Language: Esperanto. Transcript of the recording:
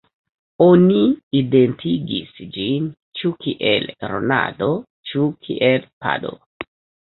Oni identigis ĝin ĉu kiel Rodano, ĉu kiel Pado.